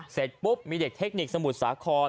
เสร็จปุ๊บมีเด็กเทคนิคสมุทรสาคร